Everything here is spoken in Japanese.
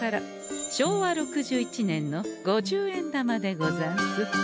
昭和６１年の五十円玉でござんす。